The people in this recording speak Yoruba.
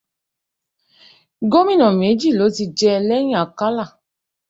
Gómìnà méjì ló ti jẹ lẹ́yìn Akálà.